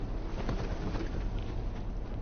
umiq